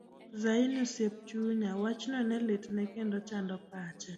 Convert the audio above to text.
Zaini osiep chunya, wachno ne litne kendo chando pache.